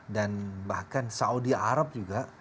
dan bahkan saudi arab juga